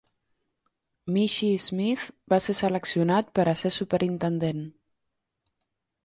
Michie Smith va ser seleccionat per a ser superintendent.